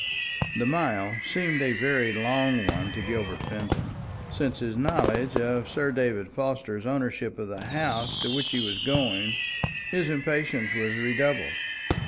The mile seemed a very long one to Gilbert Fenton. Since his knowledge of Sir David Forster's ownership of the house to which he was going, his impatience was redoubled.